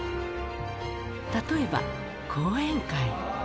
例えば講演会。